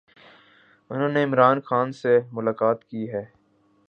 انھوں نے عمران خان سے ملاقات کی ہے۔